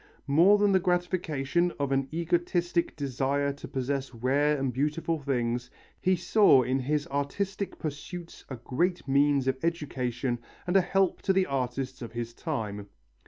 More than the gratification of an egotistic desire to possess rare and beautiful things, he saw in his artistic pursuits a great means of education and a help to the artists of his time.